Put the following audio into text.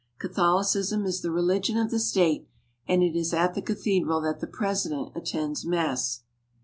Catholicism is the re Hgion of the state, and it is at the cathedral that the presi dent attends mass.